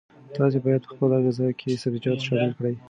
تاسي باید په خپله غذا کې سبزیجات شامل کړئ.